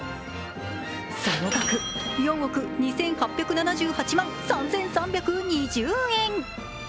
その額、４億２８７８万３３２０円。